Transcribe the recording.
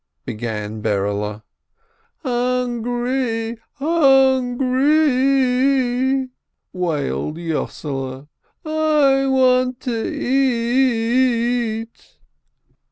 began Berele. "Hungry, hungry!" wailed Yossele. "I want to eat!"